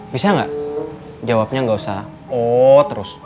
bisa gak jawabnya gak usah oh terus